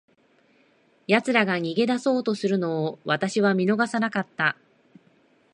奴らが逃げ出そうとするのを、私は見逃さなかった。